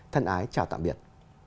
thân ái chào tạm biệt